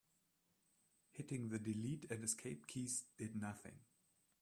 Hitting the delete and escape keys did nothing.